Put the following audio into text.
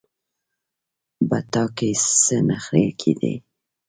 په تا کې څه نخرې کېدې.